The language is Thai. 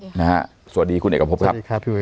สวัสดีคุณเอกพบครับ